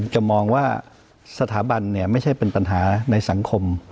จะมองว่าสถาบันเนี่ยไม่ใช่เป็นปัญหาในสังคม